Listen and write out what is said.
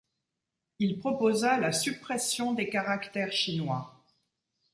Il proposa la suppression des caractères chinois.